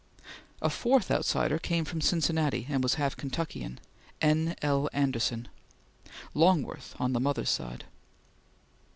A fourth outsider came from Cincinnati and was half Kentuckian, N. L. Anderson, Longworth on the mother's side.